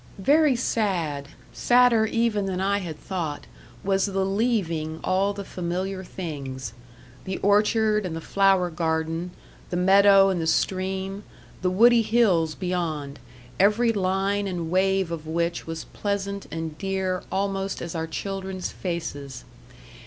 Very sad sadder even than I had thought was the leaving all the familiar things; the orchard and the flower garden, the meadow and the stream, the woody hills beyond, every line and wave of which was pleasant and dear almost as our children's faces.